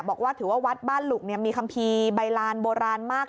บอกว่าถือว่าวัดบ้านหลุกมีคัมภีร์ใบลานโบราณมาก